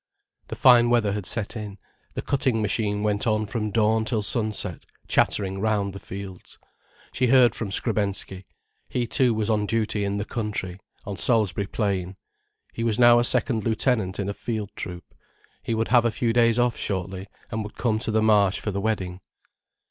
The fine weather had set in, the cutting machine went on from dawn till sunset, chattering round the fields. She heard from Skrebensky; he too was on duty in the country, on Salisbury Plain. He was now a second lieutenant in a Field Troop. He would have a few days off shortly, and would come to the Marsh for the wedding.